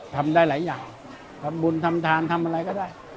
ทำได้หลายอย่างทำบุญทำทานทำอะไรก็ได้